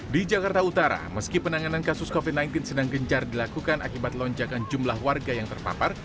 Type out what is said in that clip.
di jakarta utara meski penanganan kasus covid sembilan belas sedang gencar dilakukan akibat lonjakan jumlah warga yang terpapar